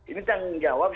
ini tanggung jawab